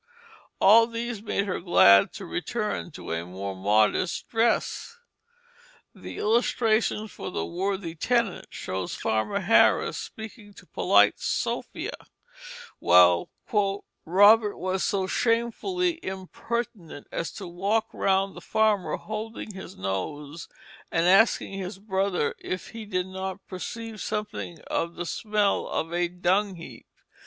all these made her glad to return to a more modest dress. The illustration for the Worthy Tenant shows Farmer Harris speaking to polite Sophia, while "Robert was so shamefully impertinent as to walk round the farmer, holding his nose, and asking his brother if he did not perceive something of the smell of a dung heap.